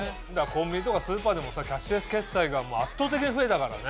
コンビニとかスーパーでもさキャッシュレス決済が圧倒的に増えたからね。